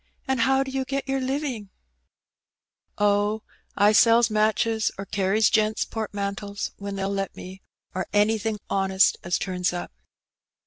^* And how do you get your living ?" Oh, I sells matches or carries gents* portmantles when they^U let me, or anything honest as turns up.'